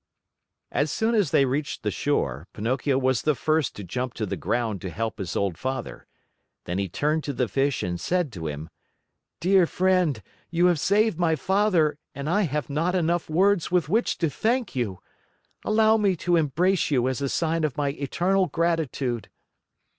As soon as they reached the shore, Pinocchio was the first to jump to the ground to help his old father. Then he turned to the fish and said to him: "Dear friend, you have saved my father, and I have not enough words with which to thank you! Allow me to embrace you as a sign of my eternal gratitude."